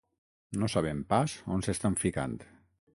No saben pas on s'estan ficant.